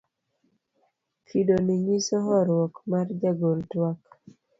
kido ni nyiso horuok mar jagol twak